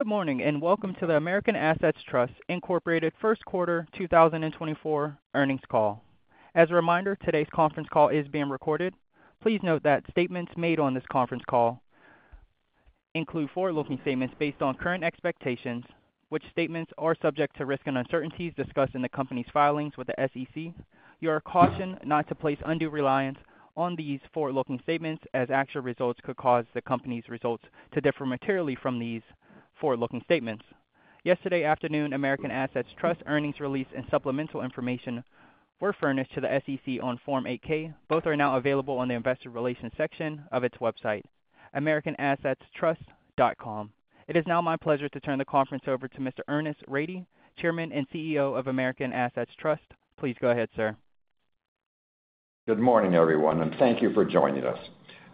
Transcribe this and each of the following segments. Good morning, and welcome to the American Assets Trust Incorporated First Quarter 2024 earnings call. As a reminder, today's conference call is being recorded. Please note that statements made on this conference call include forward-looking statements based on current expectations, which statements are subject to risks and uncertainties discussed in the company's filings with the SEC. You are cautioned not to place undue reliance on these forward-looking statements as actual results could cause the company's results to differ materially from these forward-looking statements. Yesterday afternoon, American Assets Trust earnings release and supplemental information were furnished to the SEC on Form 8-K. Both are now available on the investor relations section of its website, americanassetstrust.com. It is now my pleasure to turn the conference over to Mr. Ernest Rady, Chairman and CEO of American Assets Trust. Please go ahead, sir. Good morning, everyone, and thank you for joining us.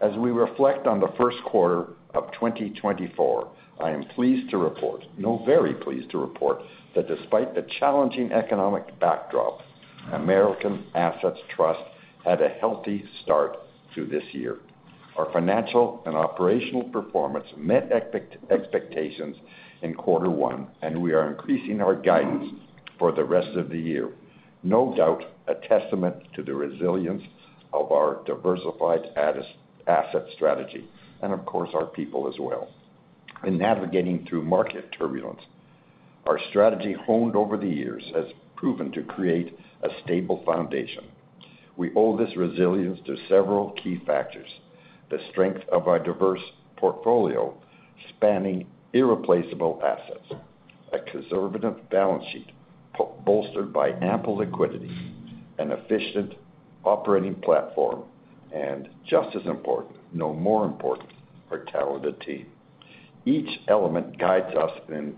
As we reflect on the first quarter of 2024, I am pleased to report, no, very pleased to report, that despite the challenging economic backdrop, American Assets Trust had a healthy start to this year. Our financial and operational performance met expectations in quarter one, and we are increasing our guidance for the rest of the year. No doubt, a testament to the resilience of our diversified asset strategy and, of course, our people as well. In navigating through market turbulence, our strategy, honed over the years, has proven to create a stable foundation. We owe this resilience to several key factors: the strength of our diverse portfolio, spanning irreplaceable assets, a conservative balance sheet bolstered by ample liquidity, an efficient operating platform, and just as important, no more important, our talented team. Each element guides us in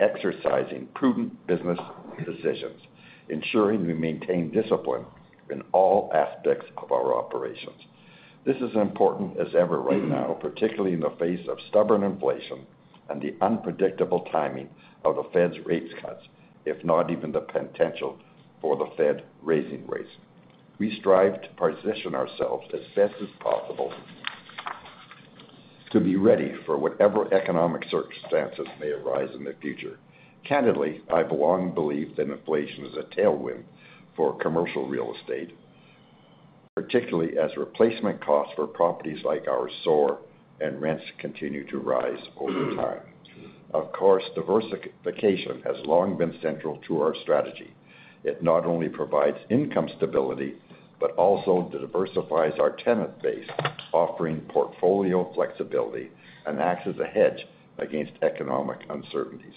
exercising prudent business decisions, ensuring we maintain discipline in all aspects of our operations. This is important as ever right now, particularly in the face of stubborn inflation and the unpredictable timing of the Fed's rate cuts, if not even the potential for the Fed raising rates. We strive to position ourselves as best as possible to be ready for whatever economic circumstances may arise in the future. Candidly, I've long believed that inflation is a tailwind for commercial real estate, particularly as replacement costs for properties like ours soar and rents continue to rise over time. Of course, diversification has long been central to our strategy. It not only provides income stability, but also diversifies our tenant base, offering portfolio flexibility and acts as a hedge against economic uncertainties.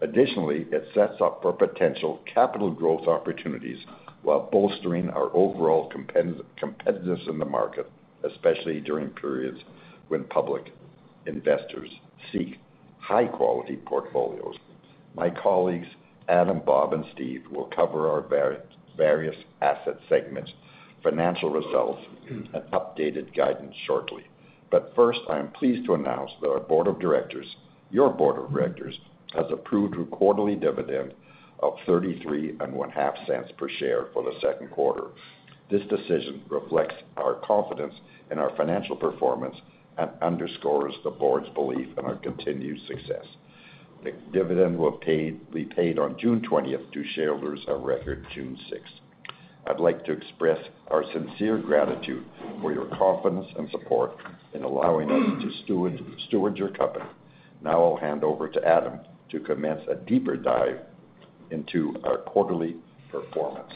Additionally, it sets up for potential capital growth opportunities while bolstering our overall competitiveness in the market, especially during periods when public investors seek high-quality portfolios. My colleagues Adam, Bob, and Steve will cover our various asset segments, financial results, and updated guidance shortly. But first, I am pleased to announce that our board of directors, your board of directors, has approved a quarterly dividend of $0.335 per share for the second quarter. This decision reflects our confidence in our financial performance and underscores the board's belief in our continued success. The dividend will be paid on June twentieth to shareholders of record June sixth. I'd like to express our sincere gratitude for your confidence and support in allowing us to steward your company. Now I'll hand over to Adam to commence a deeper dive into our quarterly performance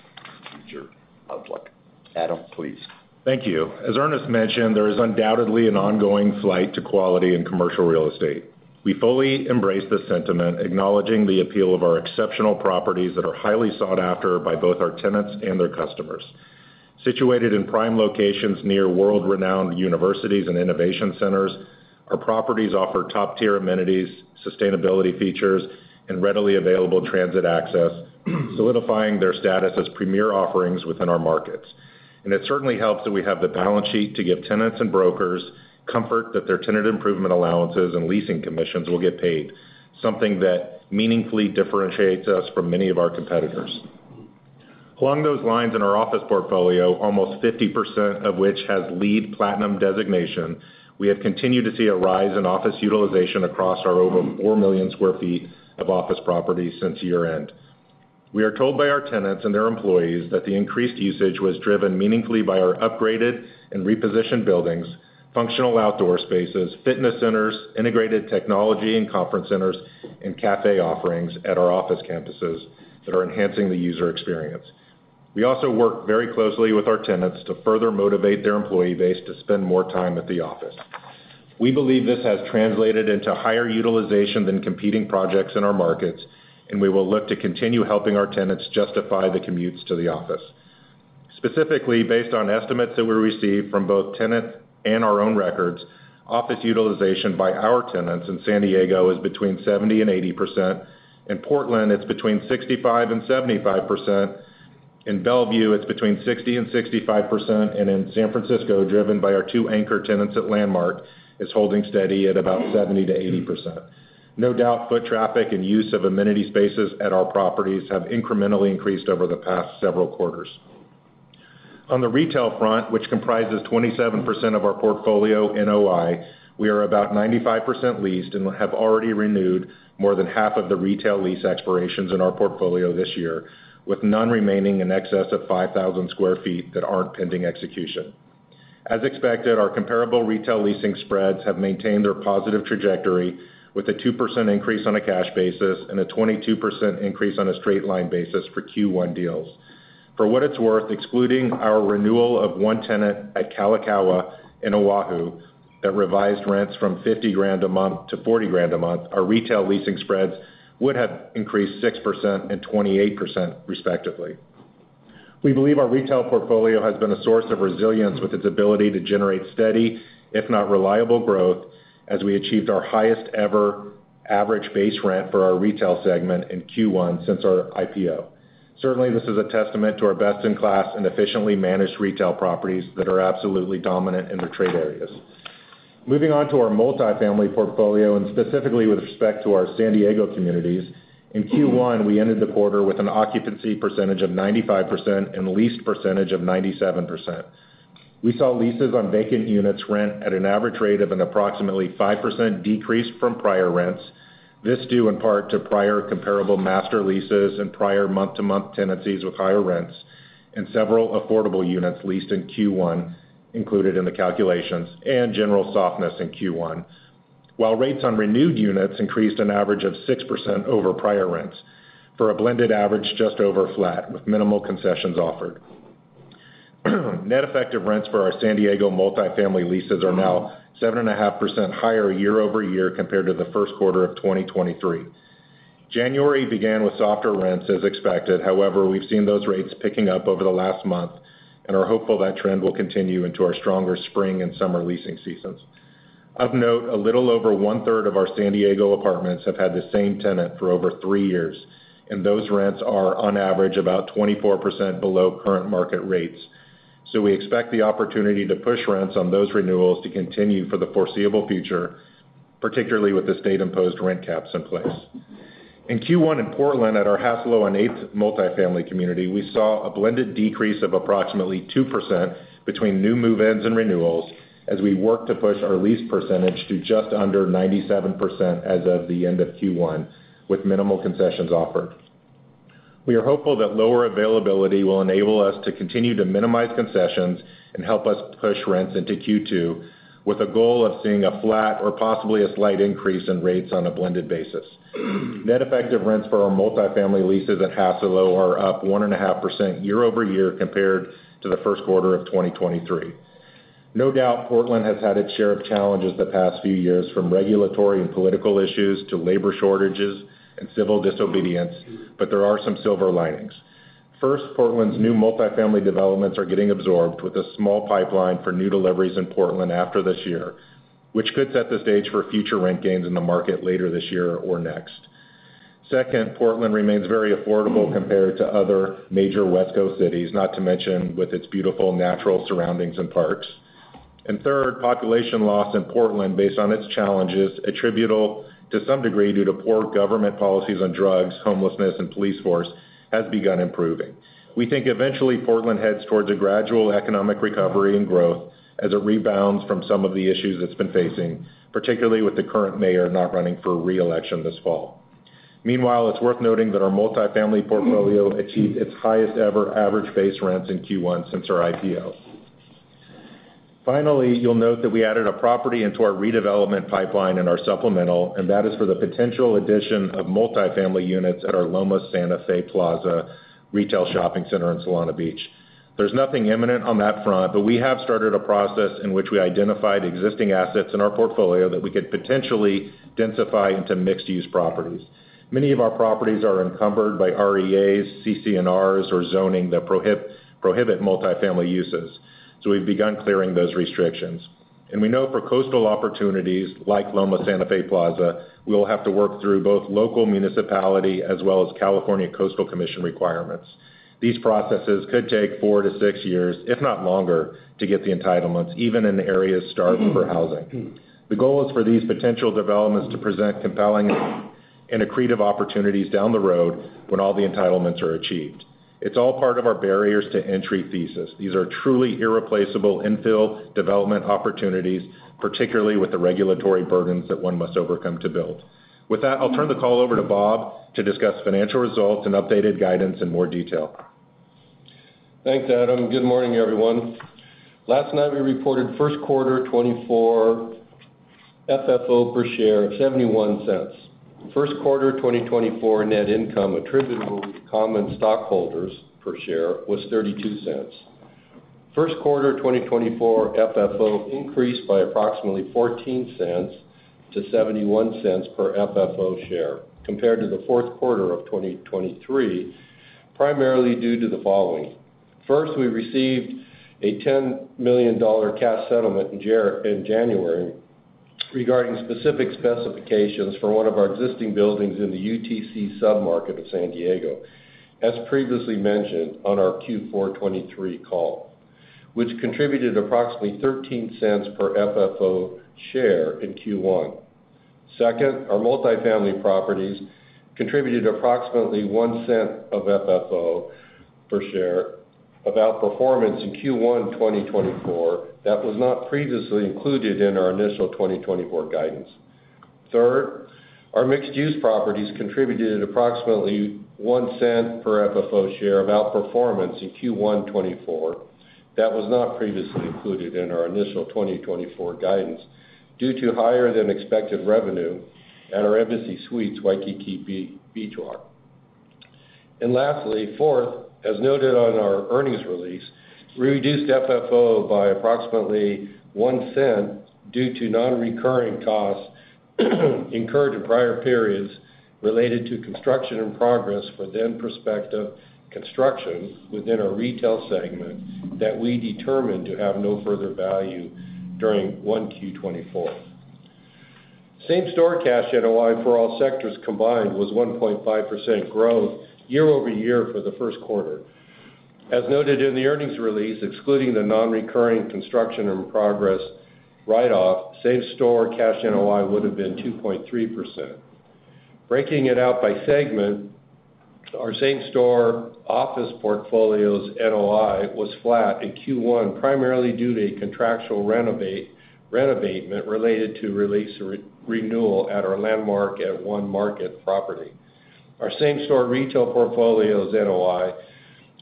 and future outlook. Adam, please. Thank you. As Ernest mentioned, there is undoubtedly an ongoing flight to quality in commercial real estate. We fully embrace this sentiment, acknowledging the appeal of our exceptional properties that are highly sought after by both our tenants and their customers. Situated in prime locations near world-renowned universities and innovation centers, our properties offer top-tier amenities, sustainability features, and readily available transit access, solidifying their status as premier offerings within our markets. It certainly helps that we have the balance sheet to give tenants and brokers comfort that their tenant improvement allowances and leasing commissions will get paid, something that meaningfully differentiates us from many of our competitors. Along those lines, in our office portfolio, almost 50% of which has LEED Platinum designation, we have continued to see a rise in office utilization across our over 4 million sq ft of office property since year-end. We are told by our tenants and their employees that the increased usage was driven meaningfully by our upgraded and repositioned buildings, functional outdoor spaces, fitness centers, integrated technology and conference centers, and cafe offerings at our office campuses that are enhancing the user experience. We also work very closely with our tenants to further motivate their employee base to spend more time at the office. We believe this has translated into higher utilization than competing projects in our markets, and we will look to continue helping our tenants justify the commutes to the office. Specifically, based on estimates that we receive from both tenants and our own records, office utilization by our tenants in San Diego is between 70% and 80%. In Portland, it's between 65% and 75%. In Bellevue, it's between 60% and 65%, and in San Francisco, driven by our two anchor tenants at Landmark, is holding steady at about 70%-80%. No doubt, foot traffic and use of amenity spaces at our properties have incrementally increased over the past several quarters. On the retail front, which comprises 27% of our portfolio NOI, we are about 95% leased, and have already renewed more than half of the retail lease expirations in our portfolio this year, with none remaining in excess of 5,000 sq ft that aren't pending execution. As expected, our comparable retail leasing spreads have maintained their positive trajectory, with a 2% increase on a cash basis and a 22% increase on a straight line basis for Q1 deals. For what it's worth, excluding our renewal of one tenant at Kalakaua in Oahu, that revised rents from $50,000 a month to $40,000 a month, our retail leasing spreads would have increased 6% and 28%, respectively. We believe our retail portfolio has been a source of resilience with its ability to generate steady, if not reliable growth, as we achieved our highest ever average base rent for our retail segment in Q1 since our IPO. Certainly, this is a testament to our best-in-class and efficiently managed retail properties that are absolutely dominant in their trade areas. Moving on to our multifamily portfolio, and specifically with respect to our San Diego communities. In Q1, we ended the quarter with an occupancy percentage of 95% and leased percentage of 97%. We saw leases on vacant units rent at an average rate of an approximately 5% decrease from prior rents. This due in part to prior comparable master leases and prior month-to-month tenancies with higher rents, and several affordable units leased in Q1 included in the calculations, and general softness in Q1. While rates on renewed units increased an average of 6% over prior rents, for a blended average just over flat, with minimal concessions offered. Net effective rents for our San Diego multifamily leases are now 7.5% higher year-over-year compared to the first quarter of 2023. January began with softer rents, as expected. However, we've seen those rates picking up over the last month, and are hopeful that trend will continue into our stronger spring and summer leasing seasons. Of note, a little over one-third of our San Diego apartments have had the same tenant for over 3 years, and those rents are, on average, about 24% below current market rates. So we expect the opportunity to push rents on those renewals to continue for the foreseeable future, particularly with the state-imposed rent caps in place. In Q1 in Portland, at our Hassalo on Eighth multifamily community, we saw a blended decrease of approximately 2% between new move-ins and renewals as we worked to push our lease percentage to just under 97% as of the end of Q1, with minimal concessions offered. We are hopeful that lower availability will enable us to continue to minimize concessions and help us push rents into Q2, with a goal of seeing a flat or possibly a slight increase in rates on a blended basis. Net effective rents for our multifamily leases at Hassalo are up 1.5% year-over-year compared to the first quarter of 2023. No doubt, Portland has had its share of challenges the past few years, from regulatory and political issues to labor shortages and civil disobedience, but there are some silver linings. First, Portland's new multifamily developments are getting absorbed with a small pipeline for new deliveries in Portland after this year, which could set the stage for future rent gains in the market later this year or next. Second, Portland remains very affordable compared to other major West Coast cities, not to mention with its beautiful natural surroundings and parks. Third, population loss in Portland, based on its challenges, attributable to some degree due to poor government policies on drugs, homelessness, and police force, has begun improving. We think eventually Portland heads towards a gradual economic recovery and growth as it rebounds from some of the issues it's been facing, particularly with the current mayor not running for reelection this fall. Meanwhile, it's worth noting that our multifamily portfolio achieved its highest-ever average base rents in Q1 since our IPO. Finally, you'll note that we added a property into our redevelopment pipeline in our supplemental, and that is for the potential addition of multifamily units at our Loma Santa Fe Plaza retail shopping center in Solana Beach. There's nothing imminent on that front, but we have started a process in which we identify the existing assets in our portfolio that we could potentially densify into mixed-use properties. Many of our properties are encumbered by REAs, CC&Rs, or zoning that prohibit multifamily uses, so we've begun clearing those restrictions. We know for coastal opportunities like Loma Santa Fe Plaza, we'll have to work through both local municipality as well as California Coastal Commission requirements. These processes could take 4-6 years, if not longer, to get the entitlements, even in areas starving for housing. The goal is for these potential developments to present compelling and accretive opportunities down the road when all the entitlements are achieved. It's all part of our barriers to entry thesis. These are truly irreplaceable infill development opportunities, particularly with the regulatory burdens that one must overcome to build. With that, I'll turn the call over to Bob to discuss financial results and updated guidance in more detail. Thanks, Adam. Good morning, everyone. Last night, we reported first quarter 2024 FFO per share of $0.71. First quarter 2024 net income attributable to common stockholders per share was $0.32. First quarter 2024 FFO increased by approximately $0.14 to $0.71 per FFO share, compared to the fourth quarter of 2023, primarily due to the following. First, we received a $10 million cash settlement in January, regarding specific specifications for one of our existing buildings in the UTC submarket of San Diego, as previously mentioned on our Q4 2023 call, which contributed approximately $0.13 per FFO share in Q1 2024. Second, our multifamily properties contributed approximately $0.01 of FFO per share of outperformance in Q1 2024. That was not previously included in our initial 2024 guidance. Third, our mixed-use properties contributed approximately $0.01 per FFO share of outperformance in Q1 2024. That was not previously included in our initial 2024 guidance, due to higher than expected revenue at our Embassy Suites Waikiki Beach Walk. And lastly, fourth, as noted on our earnings release, we reduced FFO by approximately $0.01 due to non-recurring costs incurred in prior periods related to construction in progress for then prospective construction within our retail segment that we determined to have no further value during 1Q 2024. Same-store cash NOI for all sectors combined was 1.5% growth year-over-year for the first quarter. As noted in the earnings release, excluding the nonrecurring construction in progress write-off, same-store cash NOI would have been 2.3%. Breaking it out by segment, our same-store office portfolio's NOI was flat in Q1, primarily due to a contractual renovation related to lease renewal at our Landmark at One Market property. Our same-store retail portfolio's NOI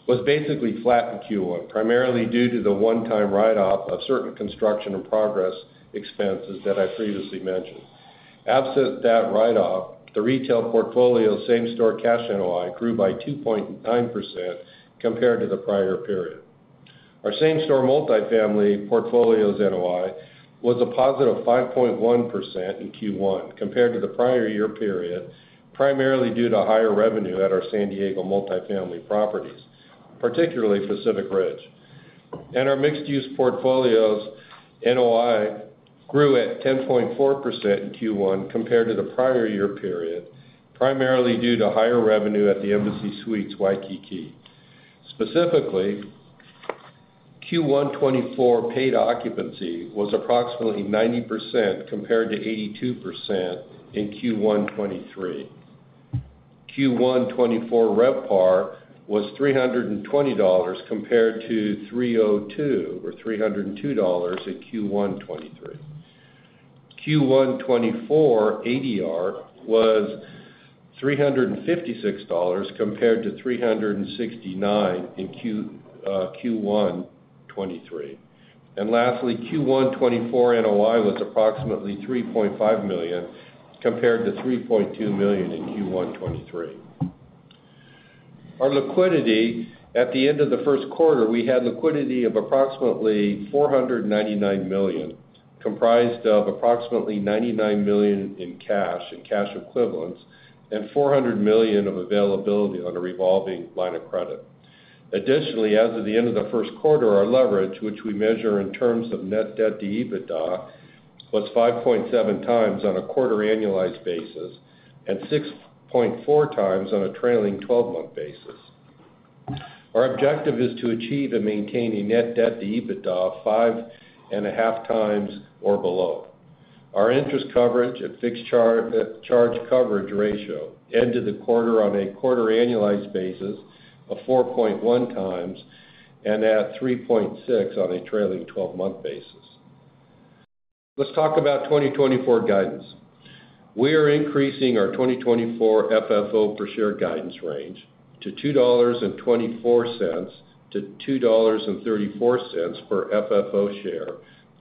was basically flat in Q1, primarily due to the one-time write-off of certain construction in progress expenses that I previously mentioned. Absent that write-off, the retail portfolio's same-store cash NOI grew by 2.9% compared to the prior period. Our same-store multifamily portfolio's NOI was a positive 5.1% in Q1 compared to the prior year period, primarily due to higher revenue at our San Diego multifamily properties, particularly Pacific Ridge. Our mixed-use portfolio's NOI grew at 10.4% in Q1 compared to the prior year period, primarily due to higher revenue at the Embassy Suites, Waikiki. Specifically, Q1 2024 paid occupancy was approximately 90%, compared to 82% in Q1 2023. Q1 2024 RevPAR was $320, compared to $302 or $302 dollars in Q1 2023. Q1 2024 ADR was $356, compared to $369 in Q1 2023. And lastly, Q1 2024 NOI was approximately $3.5 million, compared to $3.2 million in Q1 2023. Our liquidity. At the end of the first quarter, we had liquidity of approximately $499 million, comprised of approximately $99 million in cash and cash equivalents, and $400 million of availability on a revolving line of credit. Additionally, as of the end of the first quarter, our leverage, which we measure in terms of net debt to EBITDA, was 5.7 times on a quarter annualized basis and 6.4 times on a trailing twelve-month basis. Our objective is to achieve and maintain a net debt to EBITDA of 5.5 times or below. Our interest coverage at fixed charge coverage ratio ended the quarter on a quarter annualized basis of 4.1 times and at 3.6 on a trailing twelve-month basis. Let's talk about 2024 guidance. We are increasing our 2024 FFO per share guidance range to $2.24-$2.34 per FFO share,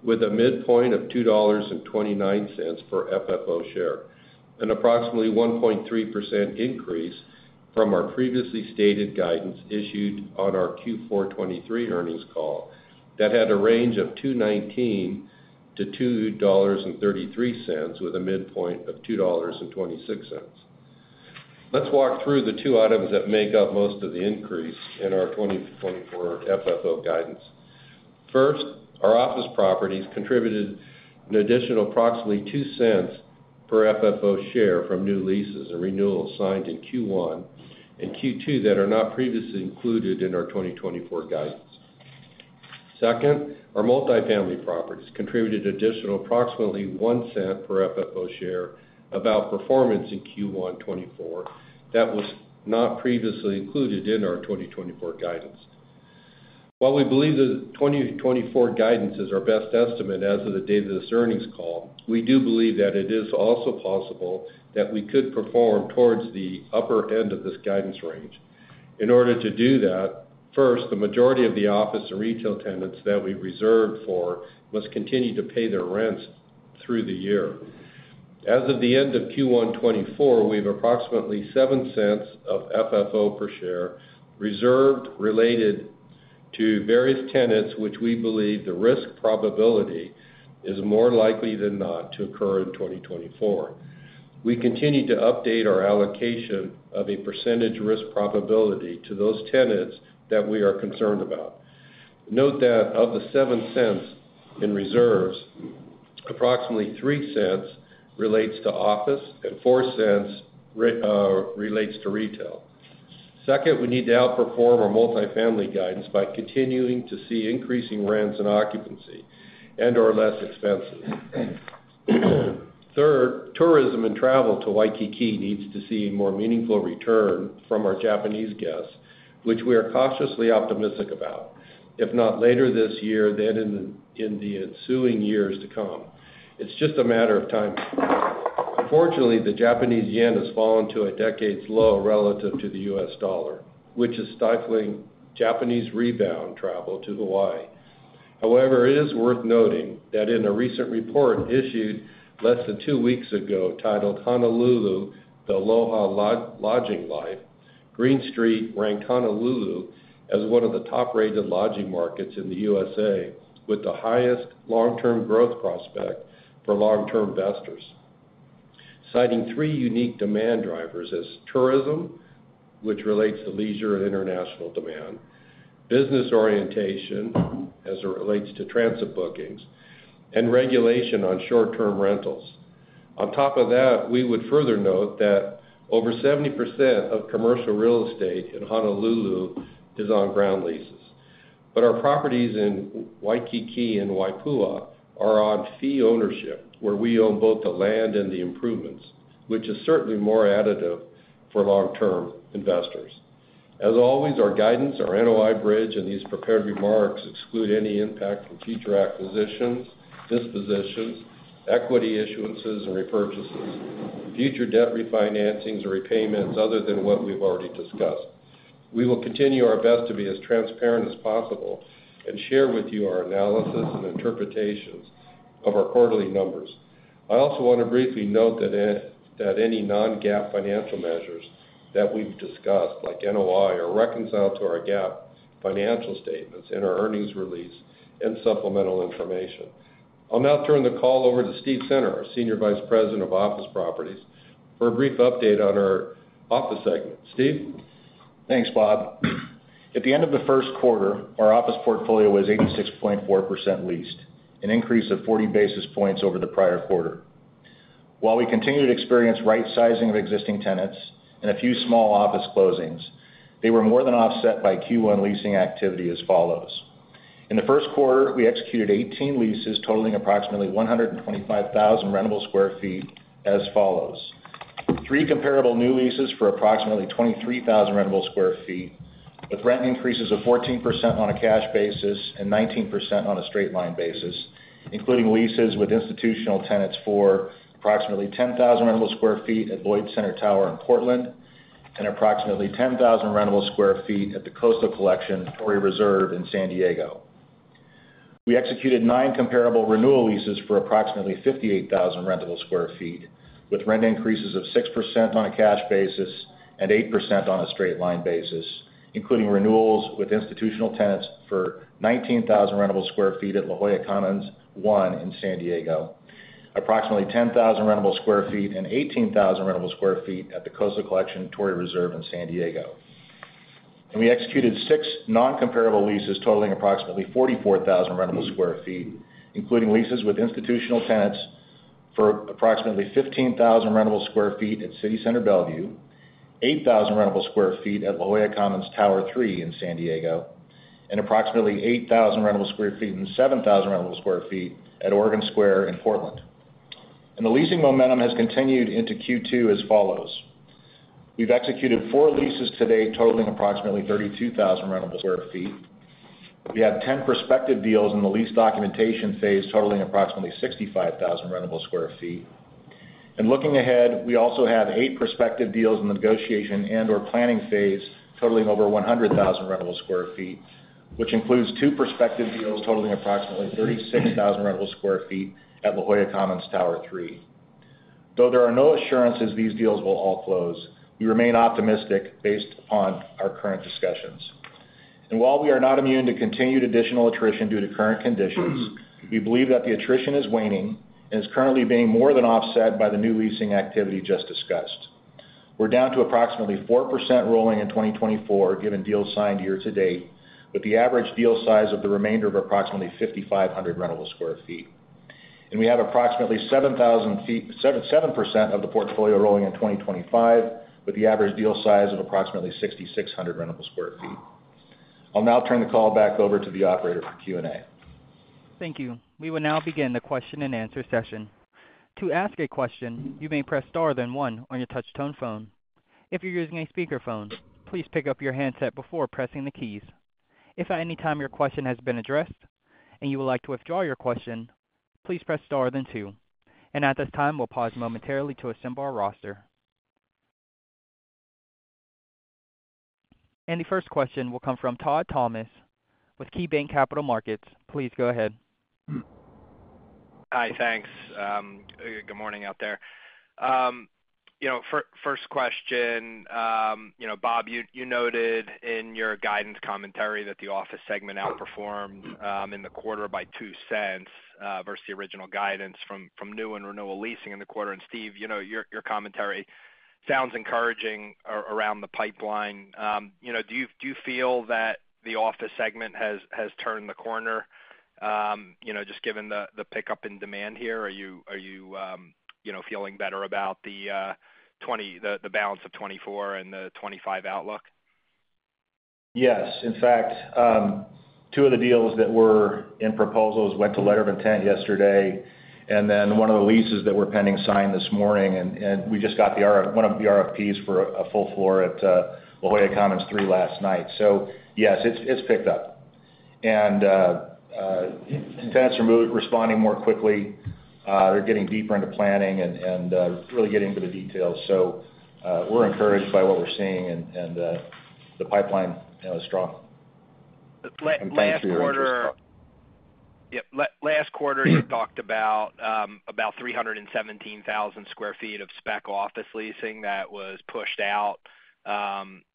with a midpoint of $2.29 per FFO share, an approximately 1.3% increase from our previously stated guidance issued on our Q4 2023 earnings call that had a range of $2.19-$2.33, with a midpoint of $2.26. Let's walk through the two items that make up most of the increase in our 2024 FFO guidance. First, our office properties contributed an additional approximately $0.02 per FFO share from new leases and renewals signed in Q1 and Q2 that are not previously included in our 2024 guidance. Second, our multifamily properties contributed additional approximately $0.01 per FFO share, about performance in Q1 2024. That was not previously included in our 2024 guidance. While we believe the 2024 guidance is our best estimate as of the date of this earnings call, we do believe that it is also possible that we could perform towards the upper end of this guidance range. In order to do that, first, the majority of the office and retail tenants that we reserved for must continue to pay their rents through the year. As of the end of Q1 2024, we have approximately $0.07 of FFO per share reserved related to various tenants, which we believe the risk probability is more likely than not to occur in 2024. We continue to update our allocation of a percentage risk probability to those tenants that we are concerned about. Note that of the $0.07 in reserves, approximately $0.03 relates to office and $0.04 relates to retail. Second, we need to outperform our multifamily guidance by continuing to see increasing rents and occupancy and or less expenses. Third, tourism and travel to Waikiki needs to see more meaningful return from our Japanese guests, which we are cautiously optimistic about, if not later this year, then in the ensuing years to come. It's just a matter of time. Unfortunately, the Japanese yen has fallen to a decade's low relative to the US dollar, which is stifling Japanese rebound travel to Hawaii. However, it is worth noting that in a recent report issued less than two weeks ago, titled Honolulu: The Aloha Lodging Life, Green Street ranked Honolulu as one of the top-rated lodging markets in the USA, with the highest long-term growth prospect for long-term investors. Citing three unique demand drivers as tourism, which relates to leisure and international demand, business orientation, as it relates to transient bookings, and regulation on short-term rentals. On top of that, we would further note that over 70% of commercial real estate in Honolulu is on ground leases. But our properties in Waikiki and Waipahu are on fee ownership, where we own both the land and the improvements, which is certainly more additive for long-term investors. As always, our guidance, our NOI bridge, and these prepared remarks exclude any impact from future acquisitions, dispositions, equity issuances, and repurchases, future debt refinancings or repayments other than what we've already discussed. We will continue our best to be as transparent as possible and share with you our analysis and interpretations of our quarterly numbers. I also want to briefly note that any non-GAAP financial measures that we've discussed, like NOI, are reconciled to our GAAP financial statements in our earnings release and supplemental information. I'll now turn the call over to Steve Center, our Senior Vice President of Office Properties, for a brief update on our office segment. Steve? Thanks, Bob. At the end of the first quarter, our office portfolio was 86.4% leased, an increase of 40 basis points over the prior quarter. While we continue to experience rightsizing of existing tenants and a few small office closings, they were more than offset by Q1 leasing activity as follows: In the first quarter, we executed 18 leases totaling approximately 125,000 rentable sq ft as follows: three comparable new leases for approximately 23,000 rentable sq ft, with rent increases of 14% on a cash basis and 19% on a straight line basis, including leases with institutional tenants for approximately 10,000 rentable sq ft at Lloyd Center Tower in Portland, and approximately 10,000 rentable sq ft at the Coastal Collection at Torrey Reserve in San Diego. We executed 9 comparable renewal leases for approximately 58,000 rentable sq ft, with rent increases of 6% on a cash basis and 8% on a straight-line basis, including renewals with institutional tenants for 19,000 rentable sq ft at La Jolla Commons One in San Diego, approximately 10,000 rentable sq ft and 18,000 rentable sq ft at The Coastal Collection at Torrey Reserve in San Diego. We executed 6 non-comparable leases totaling approximately 44,000 rentable sq ft, including leases with institutional tenants for approximately 15,000 rentable sq ft at City Center Bellevue, 8,000 rentable sq ft at La Jolla Commons Tower Three in San Diego, and approximately 8,000 rentable sq ft and 7,000 rentable sq ft at Oregon Square in Portland. The leasing momentum has continued into Q2 as follows: We've executed 4 leases today, totaling approximately 32,000 rentable sq ft. We have 10 prospective deals in the lease documentation phase, totaling approximately 65,000 rentable sq ft. And looking ahead, we also have 8 prospective deals in the negotiation and/or planning phase, totaling over 100,000 rentable sq ft, which includes 2 prospective deals totaling approximately 36,000 rentable sq ft at La Jolla Commons Tower Three. Though there are no assurances these deals will all close, we remain optimistic based upon our current discussions. And while we are not immune to continued additional attrition due to current conditions, we believe that the attrition is waning and is currently being more than offset by the new leasing activity just discussed. We're down to approximately 4% rolling in 2024, given deals signed year to date, with the average deal size of the remainder of approximately 5,500 rentable sq ft. We have approximately 7% of the portfolio rolling in 2025, with the average deal size of approximately 6,600 rentable sq ft. I'll now turn the call back over to the operator for Q&A. Thank you. We will now begin the question-and-answer session. To ask a question, you may press star, then one on your touch tone phone. If you're using a speakerphone, please pick up your handset before pressing the keys. If at any time your question has been addressed and you would like to withdraw your question, please press star then two. At this time, we'll pause momentarily to assemble our roster. The first question will come from Todd Thomas with KeyBanc Capital Markets. Please go ahead. Hi, thanks. Good morning out there. You know, first question, you know, Bob, you, you noted in your guidance commentary that the office segment outperformed, in the quarter by $0.02, versus the original guidance from, from new and renewal leasing in the quarter. And Steve, you know, your, your commentary sounds encouraging around the pipeline. You know, do you, do you feel that the office segment has, has turned the corner, you know, just given the, the pickup in demand here? Are you, are you, you know, feeling better about the, the balance of 2024 and the 2025 outlook?... Yes. In fact, two of the deals that were in proposals went to letter of intent yesterday, and then one of the leases that were pending signed this morning, and we just got the RFP, one of the RFPs for a full floor at La Jolla Commons Three last night. So yes, it's picked up. And tenants are responding more quickly, they're getting deeper into planning and really getting into the details. So we're encouraged by what we're seeing, and the pipeline is strong. La-last quarter- And thanks to your- Yep. Last quarter, you talked about about 317,000 sq ft of spec office leasing that was pushed out,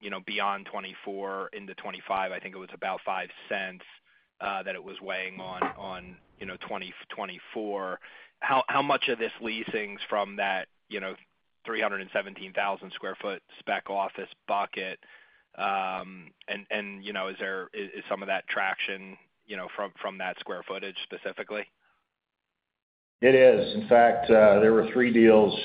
you know, beyond 2024 into 2025. I think it was about $0.05 that it was weighing on, you know, 2024. How much of this leasing's from that, you know, 317,000 sq ft spec office bucket? And, you know, is there some of that traction, you know, from that square footage specifically? It is. In fact, there were three deals.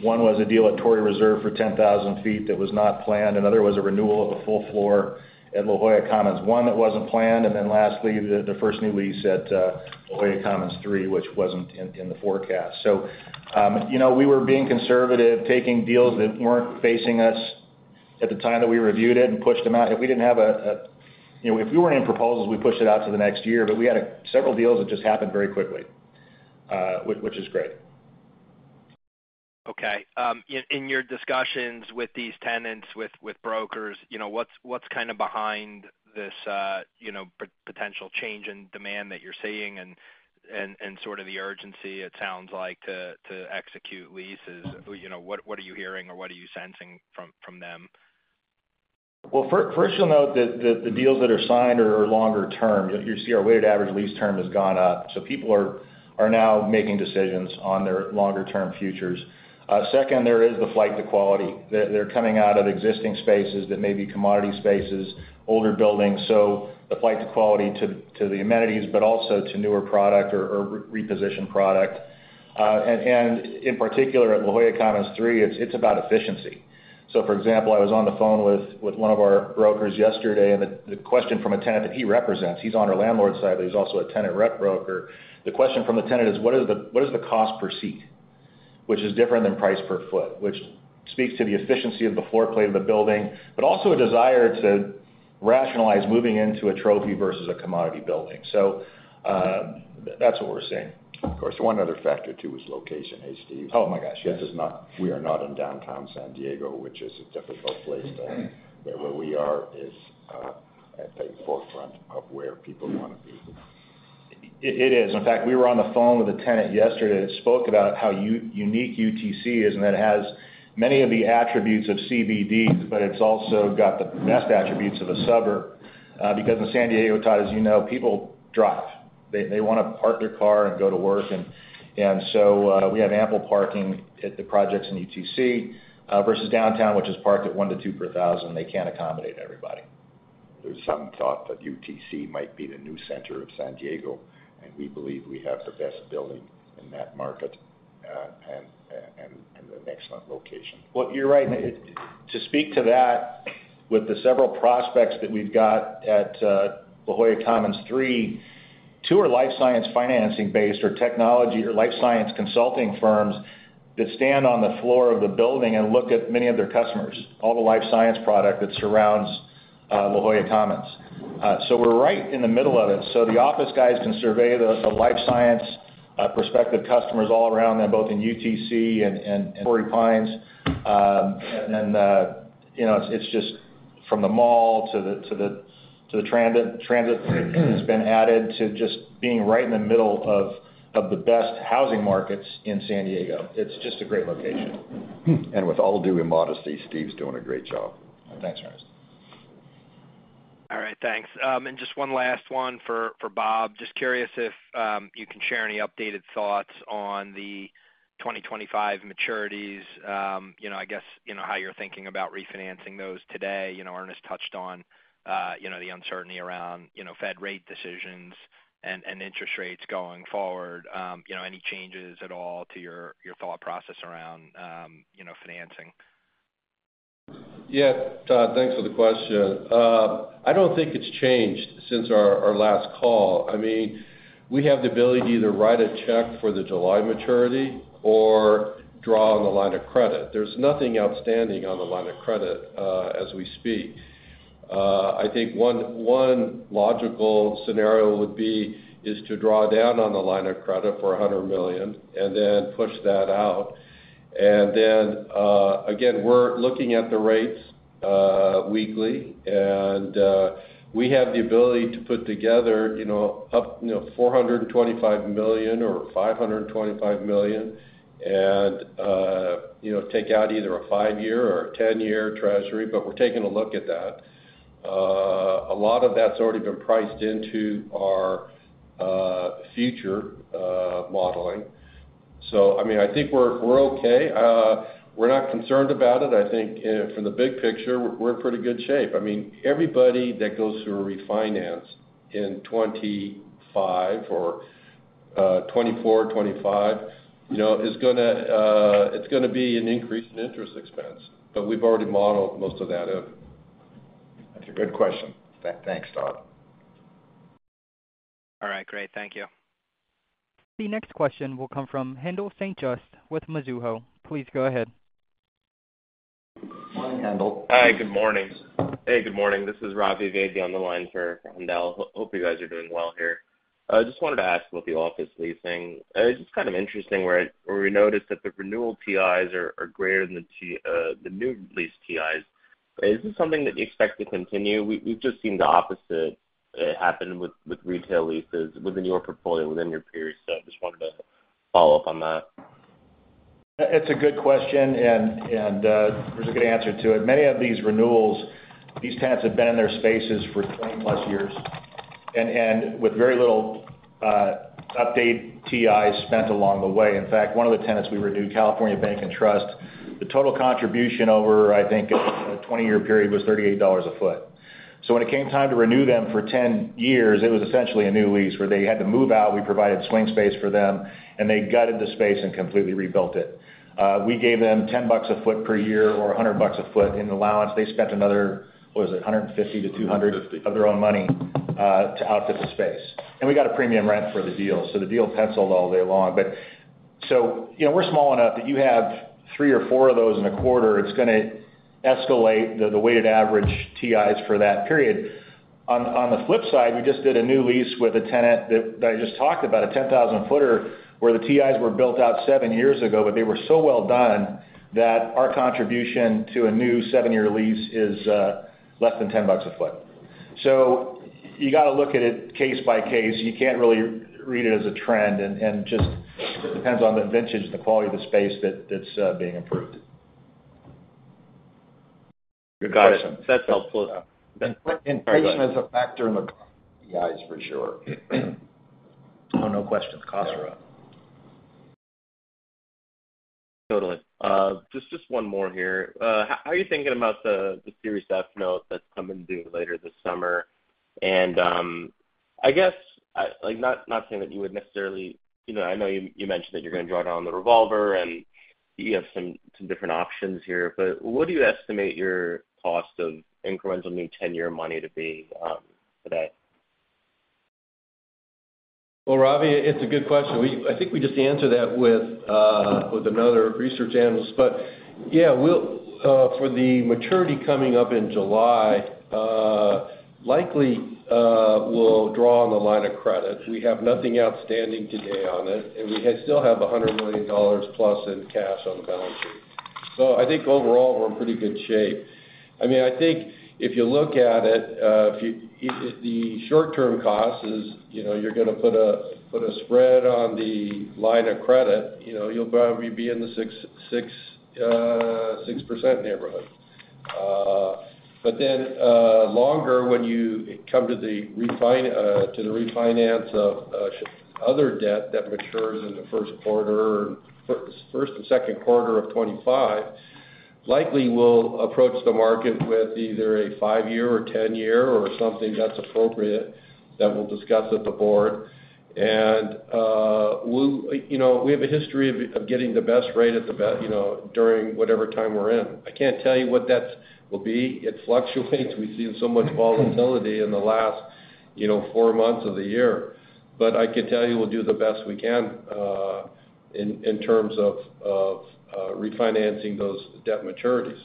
One was a deal at Torrey Reserve for 10,000 sq ft that was not planned, another was a renewal of a full floor at La Jolla Commons, one that wasn't planned, and then lastly, the first new lease at La Jolla Commons Three, which wasn't in the forecast. So, you know, we were being conservative, taking deals that weren't facing us at the time that we reviewed it and pushed them out. If we didn't have a... You know, if we were in proposals, we pushed it out to the next year, but we had several deals that just happened very quickly, which is great. Okay. In your discussions with these tenants, with brokers, you know, what's kind of behind this, you know, potential change in demand that you're seeing, and sort of the urgency it sounds like, to execute leases? You know, what are you hearing or what are you sensing from them? Well, first you'll note that the deals that are signed are longer term. You see our weighted average lease term has gone up, so people are now making decisions on their longer term futures. Second, there is the flight to quality. They're coming out of existing spaces that may be commodity spaces, older buildings, so the flight to quality to the amenities, but also to newer product or re-positioned product. And in particular, at La Jolla Commons Three, it's about efficiency. So for example, I was on the phone with one of our brokers yesterday, and the question from a tenant that he represents, he's on our landlord side, but he's also a tenant rep broker. The question from the tenant is: What is the cost per seat? Which is different than price per foot, which speaks to the efficiency of the floor plate of the building, but also a desire to rationalize moving into a trophy versus a commodity building. So, that's what we're seeing. Of course, one other factor, too, is location, hey, Steve? Oh, my gosh, yes. We are not in downtown San Diego, which is a difficult place to... But where we are is at the forefront of where people want to be. It is. In fact, we were on the phone with a tenant yesterday that spoke about how unique UTC is, and it has many of the attributes of CBD, but it's also got the best attributes of a suburb, because in San Diego, Todd, as you know, people drive. They wanna park their car and go to work, and so, we have ample parking at the projects in UTC, versus downtown, which is parked at 1-2 per thousand. They can't accommodate everybody. There's some thought that UTC might be the new center of San Diego, and we believe we have the best building in that market, and an excellent location. Well, you're right. To speak to that, with the several prospects that we've got at La Jolla Commons Three, two are life science financing based or technology or life science consulting firms that stand on the floor of the building and look at many of their customers, all the life science product that surrounds La Jolla Commons. So we're right in the middle of it. So the office guys can survey the life science prospective customers all around them, both in UTC and Torrey Pines. And then, you know, it's just from the mall to the transit. Transit has been added to just being right in the middle of the best housing markets in San Diego. It's just a great location. With all due immodesty, Steve's doing a great job. Thanks, Ernest. All right, thanks. And just one last one for, for Bob. Just curious if you can share any updated thoughts on the 2025 maturities, you know, I guess, you know, how you're thinking about refinancing those today. You know, Ernest touched on, you know, the uncertainty around, you know, Fed rate decisions and interest rates going forward. You know, any changes at all to your, your thought process around, you know, financing? Yeah, Todd, thanks for the question. I don't think it's changed since our last call. I mean, we have the ability to either write a check for the July maturity or draw on the line of credit. There's nothing outstanding on the line of credit as we speak. I think one logical scenario would be to draw down on the line of credit for $100 million and then push that out. And then, again, we're looking at the rates weekly, and we have the ability to put together, you know, $425 million or $525 million and, you know, take out either a 5-year or a 10-year treasury, but we're taking a look at that. A lot of that's already been priced into our future modeling. So, I mean, I think we're okay. We're not concerned about it. I think from the big picture, we're in pretty good shape. I mean, everybody that goes through a refinance in 2025 or 2024, 2025, you know, is gonna, it's gonna be an increase in interest expense, but we've already modeled most of that in. That's a good question. Thanks, Todd. All right, great. Thank you. The next question will come from Haendel St. Juste with Mizuho. Please go ahead. Hi, Hendel. Hi, good morning. Hey, good morning. This is Ravi Vaidya on the line for Haendel. Hope you guys are doing well here. I just wanted to ask about the office leasing. It's just kind of interesting where we noticed that the renewal TIs are greater than the new lease TIs. Is this something that you expect to continue? We've just seen the opposite happen with retail leases within your portfolio, within your peers, so I just wanted to follow up on that. It's a good question, and, and, there's a good answer to it. Many of these renewals, these tenants have been in their spaces for 20+ years, and, and with very little, update TIs spent along the way. In fact, one of the tenants we renewed, California Bank & Trust, the total contribution over, I think, a 20-year period was $38 a foot. So when it came time to renew them for 10 years, it was essentially a new lease where they had to move out. We provided swing space for them, and they gutted the space and completely rebuilt it. We gave them $10 a foot per year or $100 a foot in allowance. They spent another, what was it? $150-$200- Two fifty. of their own money to outfit the space. And we got a premium rent for the deal, so the deal penciled all day long. But so, you know, we're small enough that you have 3 or 4 of those in a quarter, it's gonna escalate the weighted average TIs for that period. On the flip side, we just did a new lease with a tenant that I just talked about, a 10,000 footer, where the TIs were built out 7 years ago, but they were so well done that our contribution to a new 7-year lease is less than $10 a foot. So you got to look at it case by case. You can't really read it as a trend, and just depends on the vintage and the quality of the space that's being improved. Got it. That's helpful. Then- Inflation is a factor in the TIs for sure. Oh, no question. Costs are up. Totally. Just one more here. How are you thinking about the Series F note that's coming due later this summer? And, I guess, like, not saying that you would necessarily... You know, I know you mentioned that you're gonna draw down the revolver and you have some different options here, but what do you estimate your cost of incremental new 10-year money to be, today? Well, Ravi, it's a good question. I think we just answered that with, with another research analyst. But yeah, we'll, for the maturity coming up in July, likely, we'll draw on the line of credit. We have nothing outstanding today on it, and we still have $100 million plus in cash on the balance sheet. So I think overall, we're in pretty good shape. I mean, I think if you look at it, the short-term cost is, you know, you're gonna put a, put a spread on the line of credit, you know, you'll probably be in the 6, 6, 6% neighborhood. But then, when you come to the refinance of other debt that matures in the first quarter or first and second quarter of 2025, likely we'll approach the market with either a 5-year or 10-year or something that's appropriate, that we'll discuss at the board. And we'll... You know, we have a history of getting the best rate at the best, you know, during whatever time we're in. I can't tell you what that will be. It fluctuates. We've seen so much volatility in the last, you know, 4 months of the year. But I can tell you we'll do the best we can in terms of refinancing those debt maturities.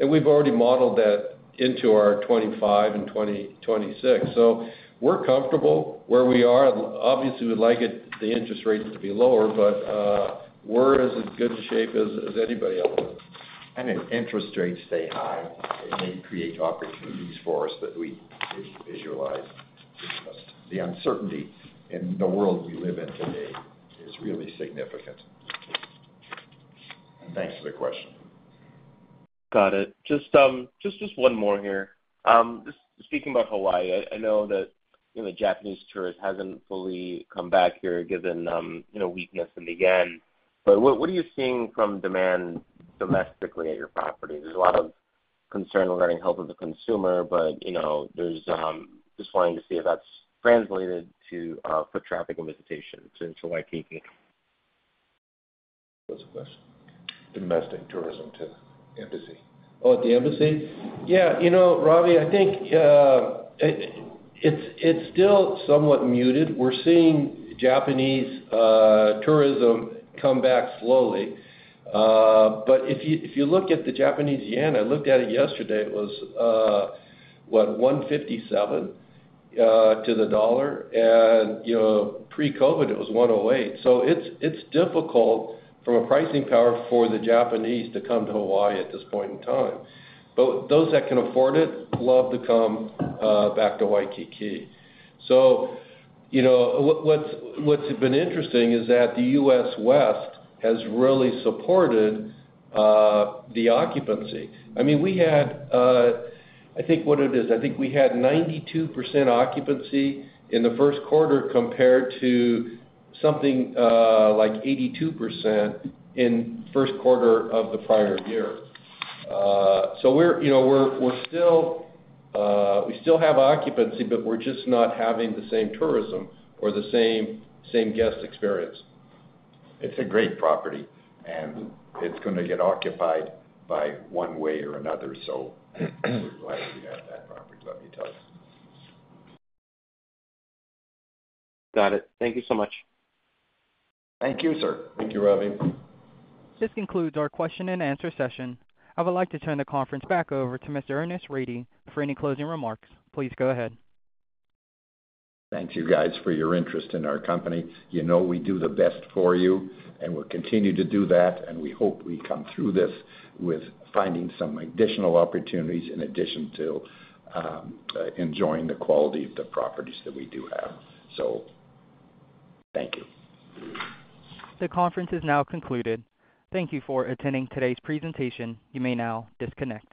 And we've already modeled that into our 2025 and 2026, so we're comfortable where we are. Obviously, we'd like the interest rates to be lower, but we're in as good shape as anybody else. If interest rates stay high, it may create opportunities for us that we visualize. The uncertainty in the world we live in today is really significant. Thanks for the question. Got it. Just one more here. Just speaking about Hawaii, I know that, you know, Japanese tourist hasn't fully come back here, given, you know, weakness in the yen, but what are you seeing from demand domestically at your properties? There's a lot of concern regarding health of the consumer, but, you know, there's just wanting to see if that's translated to foot traffic and visitation to Waikiki. Domestic tourism to Embassy. Oh, at the Embassy? Yeah. You know, Ravi, I think, it, it's still somewhat muted. We're seeing Japanese tourism come back slowly. But if you, if you look at the Japanese yen, I looked at it yesterday, it was, what? 157 to the dollar, and, you know, pre-COVID, it was 108. So it's difficult from a pricing power for the Japanese to come to Hawaii at this point in time. But those that can afford it, love to come back to Waikiki. So, you know, what's been interesting is that the US West has really supported the occupancy. I mean, we had, I think what it is, I think we had 92% occupancy in the first quarter, compared to something like 82% in first quarter of the prior year. So, you know, we still have occupancy, but we're just not having the same tourism or the same guest experience. It's a great property, and it's gonna get occupied by one way or another, so we're glad we have that property, let me tell you. Got it. Thank you so much. Thank you, sir. Thank you, Ravi. This concludes our question and answer session. I would like to turn the conference back over to Mr. Ernest Rady for any closing remarks. Please go ahead. Thank you, guys, for your interest in our company. You know we do the best for you, and we'll continue to do that, and we hope we come through this with finding some additional opportunities in addition to, enjoying the quality of the properties that we do have. So thank you. The conference is now concluded. Thank you for attending today's presentation. You may now disconnect.